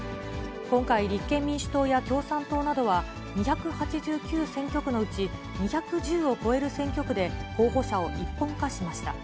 今回、立憲民主党や共産党などは、２８９選挙区のうち、２１０を超える選挙区で候補者を一本化しました。